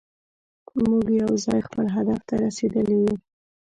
موږ یوځای خپل هدف ته رسیدلی شو.